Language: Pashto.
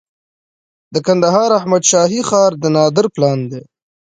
د کندهار احمد شاهي ښار د نادر پلان دی